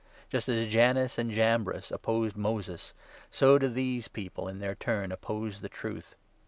Just as Jannes and Jambres opposed Moses, so do these 8 people, in their turn, oppose the Truth.